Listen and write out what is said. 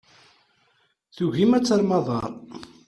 Tugim ad terrem aḍar.